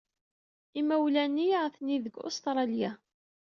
Imawlan-iny atni deg Ustṛalya.